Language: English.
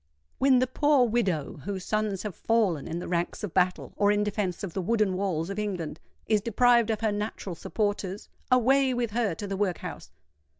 When the poor widow, whose sons have fallen in the ranks of battle or in defence of the wooden walls of England, is deprived of her natural supporters, away with her to the workhouse!